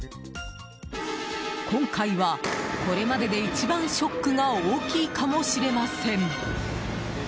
今回は、これまでで一番ショックが大きいかもしれません。